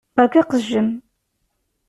Beṛka aqejjem.